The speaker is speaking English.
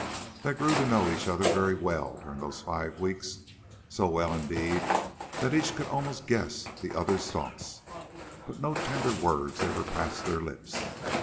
They grew to know each other very well during those five weeks, so well indeed that each could almost guess the other's thoughts. But no tender word ever passed their lips.